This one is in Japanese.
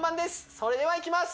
それではいきます